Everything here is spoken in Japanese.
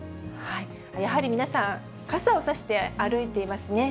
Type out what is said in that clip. やはり皆さん、傘を差して歩いていますね。